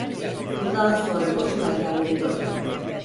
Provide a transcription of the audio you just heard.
Bundan sonra boşuna kendini yorma…